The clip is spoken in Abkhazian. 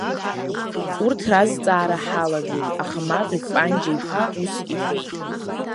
Урҭ разҵаара ҳалагеит, аха Маврик Панџьа-иԥа ус иҳәеит…